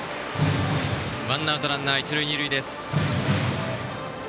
ワンアウトランナー、一塁二塁です。